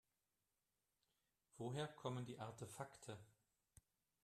Woher kommen die Artefakte?